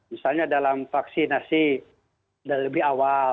misalnya dalam vaksinasi lebih awal